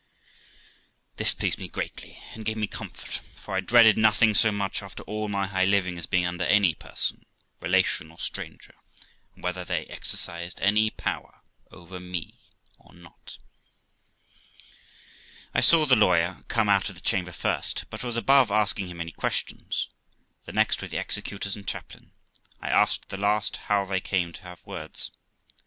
This pleased me greatly, and gave me comfort, for I dreaded nothing so much, after all my high living, as being under any person, relation or stranger, and whether they exercised any power over me or not. THE LIFE OF ROXANA 423 I saw the lawyer come out of the chamber first, but was above asking him any questions ; the next were the executors and chaplain. I asked the last how they came to have words.